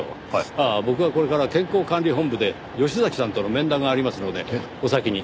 ああ僕はこれから健康管理本部で吉崎さんとの面談がありますのでお先に。